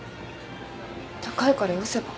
高いからよせば？